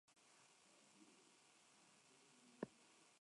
Sin embargo, esta noción es un poco confusa.